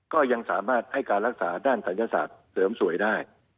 ก็ยังสามารถให้การรักษาด้านศัยศาสตร์เสริมสวยได้